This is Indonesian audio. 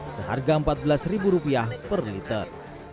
seharga rp empat belas per liter